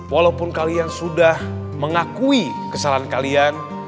walaupun kalian sudah mengakui kesalahan kalian